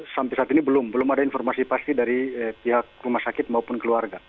sampai saat ini belum ada informasi pasti dari pihak rumah sakit maupun keluarga